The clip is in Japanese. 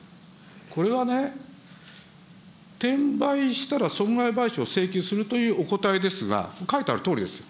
これはね、転売したら、損害賠償を請求するというお答えですが、書いてあるとおりですよ。